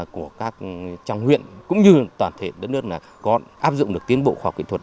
của các trong huyện cũng như toàn thể đất nước là có áp dụng được tiến bộ khoa học kỹ thuật